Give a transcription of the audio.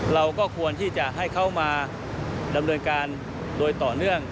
เราก็ควรที่จะให้เขามาดำเนินการโดยต่อเนื่อง